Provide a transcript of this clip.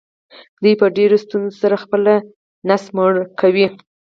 دوی په ډیرو ستونزو سره خپله ګیډه مړه کوي.